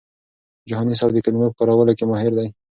جهاني صاحب د کلمو په کارولو کي ماهر دی.